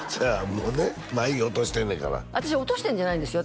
もうね眉毛落としてんねんから私落としてるんじゃないんですよ